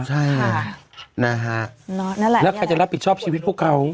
ใช่ค่ะนะฮะนั่นแหละแล้วใครจะรับผิดชอบชีวิตพวกเขา